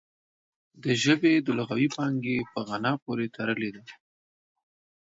د ژبې د لغوي پانګې په غنا پورې تړلې ده